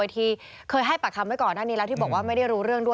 ที่เคยให้ปากคำของเขาที่บอกไม่รู้เรื่อง